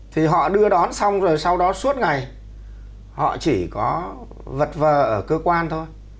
thì họ đưa đón xong rồi sau đó suốt ngày họ chỉ có vật vờ ở cơ quan thôi